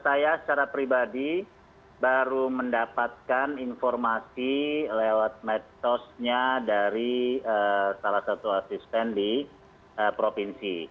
saya secara pribadi baru mendapatkan informasi lewat metosnya dari salah satu asisten di provinsi